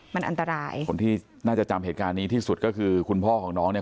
มันอันตรายคนที่น่าจะจำเหตุการณ์นี้ที่สุดก็คือคุณพ่อของน้องเนี่ย